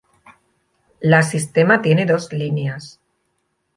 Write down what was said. La sistema tiene dos líneas.